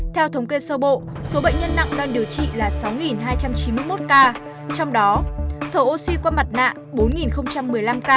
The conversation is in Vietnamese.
theo thống kê sơ bộ số bệnh nhân nặng đang điều trị là sáu hai trăm chín mươi một ca trong đó thở oxy qua mặt nạ bốn một mươi năm ca